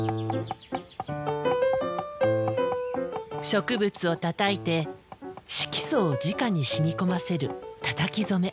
植物をたたいて色素をじかに染み込ませる「たたき染め」。